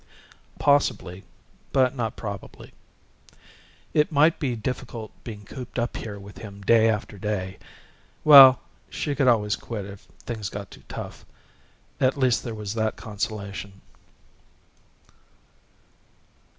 Possibly, but not probably. It might be difficult being cooped up here with him day after day. Well, she could always quit if things got too tough. At least there was that consolation.